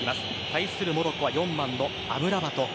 対するモロッコは４番のアムラバト。